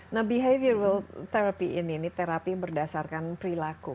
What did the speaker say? nah behavioral therapy ini ini terapi berdasarkan perilaku